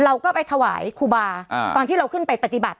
เราก็ไปถวายครูบาตอนที่เราขึ้นไปปฏิบัติ